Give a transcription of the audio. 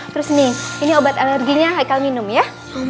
terus nih ini obat alerginya haikal minum ya